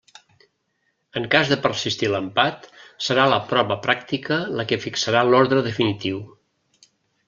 En cas de persistir l'empat, serà la prova pràctica la que fixarà l'ordre definitiu.